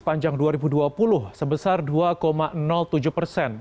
panjang dua ribu dua puluh sebesar dua tujuh persen